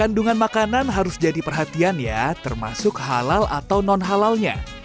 kandungan makanan harus jadi perhatian ya termasuk halal atau non halalnya